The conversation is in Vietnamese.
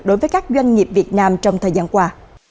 đối với các doanh nghiệp việt nam trong thời gian qua